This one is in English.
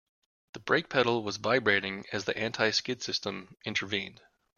The brake pedal was vibrating as the anti-skid system intervened.